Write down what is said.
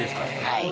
はい。